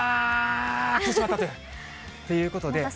あー。ということで。